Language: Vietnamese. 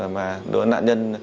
mà đối tượng nạn nhân